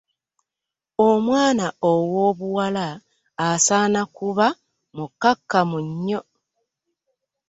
Omwana owoobuwala asaana kuba mukkakkamu nnyo.